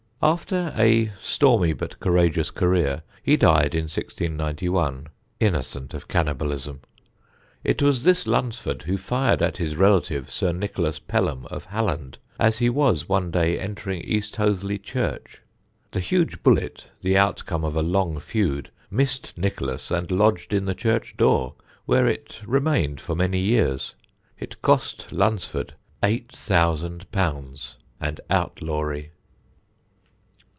After a stormy but courageous career he died in 1691, innocent of cannibalism. It was this Lunsford who fired at his relative, Sir Nicholas Pelham of Halland, as he was one day entering East Hoathly church. The huge bullet, the outcome of a long feud, missed Nicholas and lodged in the church door, where it remained for many years. It cost Lunsford _£_8,000 and outlawry.